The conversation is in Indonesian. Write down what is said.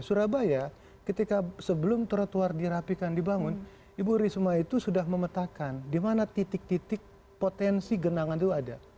surabaya ketika sebelum trotoar dirapikan dibangun ibu risma itu sudah memetakan di mana titik titik potensi genangan itu ada